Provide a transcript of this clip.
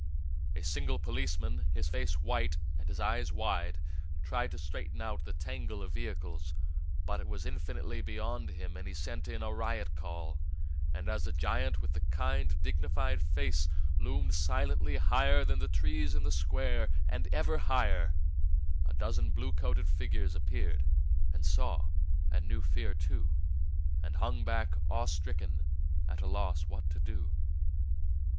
A single policeman, his face white and his eyes wide, tried to straighten out the tangle of vehicles, but it was infinitely beyond him and he sent in a riot call; and as the giant with the kind, dignified face loomed silently higher than the trees in the Square, and ever higher, a dozen blue coated figures appeared, and saw, and knew fear too, and hung back awe stricken, at a loss what to do.